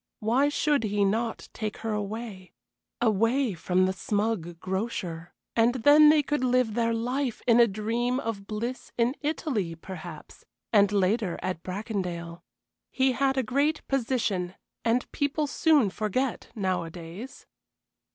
Why should he not take her away away from the smug grocer, and then they could live their life in a dream of bliss in Italy, perhaps, and later at Bracondale. He had a great position, and people soon forget nowadays.